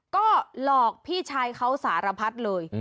ก็หลอกพี่ชายเขาสารพัดเลย